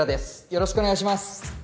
よろしくお願いします。